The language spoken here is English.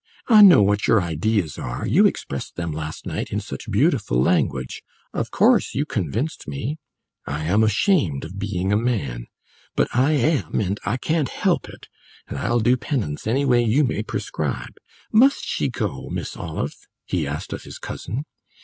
I know what your ideas are you expressed them last night in such beautiful language; of course you convinced me. I am ashamed of being a man; but I am, and I can't help it, and I'll do penance any way you may prescribe. Must she go, Miss Olive?" he asked of his cousin.